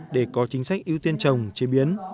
để có chính sách ưu tiên trồng chế biến